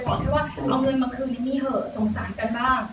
แค่ว่าเอาเงินมาคืนเอมมี่เถอะสงสารกันบ้าง